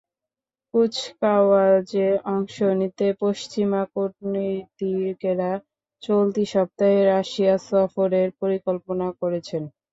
কুচকাওয়াজে অংশ নিতে পশ্চিমা কূটনীতিকেরা চলতি সপ্তাহে রাশিয়া সফরের পরিকল্পনা করেছেন।